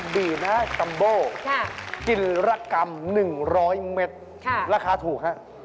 ดินะจัมโบ้กินละกำ๑๐๐เมตรราคาถูกฮะ